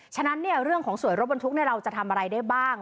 ฉะนั้นเรื่องของสวยรถบรรทุกเราจะทำอะไรได้บ้าง